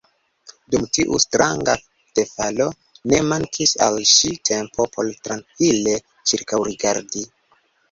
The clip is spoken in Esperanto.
Dum tiu stranga defalo, ne mankis al ŝi tempo por trankvile ĉirkaŭrigardi.